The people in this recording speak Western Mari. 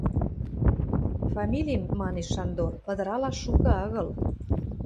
– Фамилим, – манеш Шандор, – ыдыралаш шукы агыл...